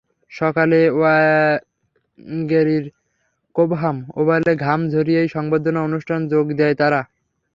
সকালে ওয়াঙ্গেরির কোবহাম ওভালে ঘাম ঝরিয়েই সংবর্ধনা অনুষ্ঠানে যোগ দেয় তারা।